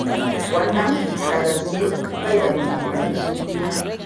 Wannan, da gaske, bai da mahimmanci.